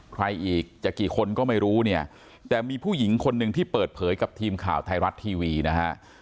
ใครอีกจะกี่คนก็ไม่รู้เนี่ยแต่มีผู้หญิงคนหนึ่งที่เปิดเผยกับทีมข่าวไทยรัฐทีวีนะฮะ